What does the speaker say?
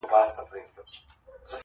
زه خو اوس هم يم هغه کس راپسې وبه ژاړې_